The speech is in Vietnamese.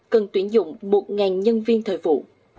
cần tuyển dụng một nhân viên thời vụ